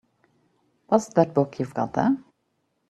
What's that book you've got there?